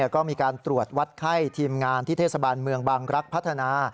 ก็มีการตรวจวัดไข้ทีมงานที่เทศบาลเมืองบางรักพัฒนา